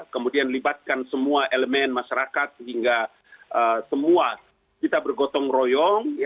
kemudian libatkan semua elemen masyarakat hingga semua kita bergotong royong